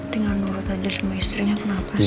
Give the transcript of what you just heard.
tinggal nurut aja sama istrinya kenapa